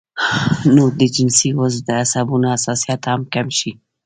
نو د جنسي عضو د عصبونو حساسيت هم کم شي